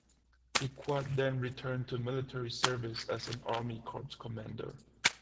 Picquart then returned to military service as an Army Corps commander.